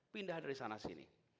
pindah dari sana sini